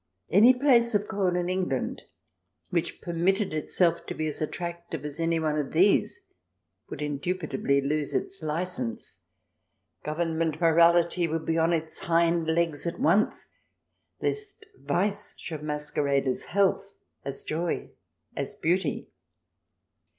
Any place of call in England which permitted itself to be as attractive as any one of these would indubitably lose its licence. Govern ment morality would be on its hind legs at once lest vice should masquerade as health, as joy, as beauty.